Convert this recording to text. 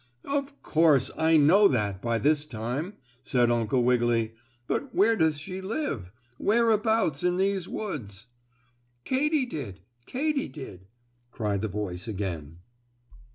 "Of course! I know that by this time," said Uncle Wiggily. "But where does she live? Whereabouts in these woods?" "Katy did! Katy did!" cried the voice again.